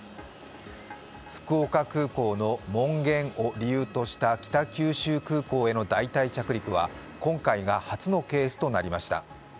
福岡空港の門限を理由とした北九州空港への代替着陸は今回が初のケースとなりました。